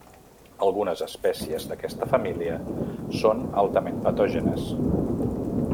Algunes espècies d'aquesta família són altament patògenes.